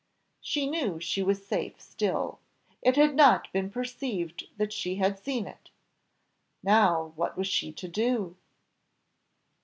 She knew she was safe still, it had not been perceived that she had seen it; now what was she to do?